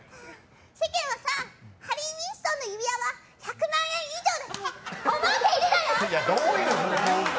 世間はさハリー・ウィンストンの指輪は１００万円以上って思っているのよ！